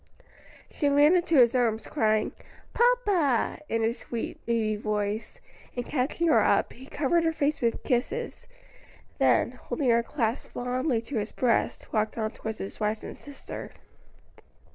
She ran into his arms, crying, "Papa," in her sweet baby voice, and catching her up, he covered her face with kisses; then, holding her clasped fondly to his breast, walked on towards his wife and sister.